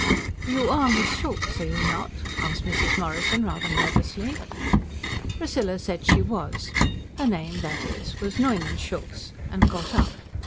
"You are Miss Schultz, are you not?" asked Mrs. Morrison rather nervously. Priscilla said she was, her name, that is, was Neumann Schultz and got up.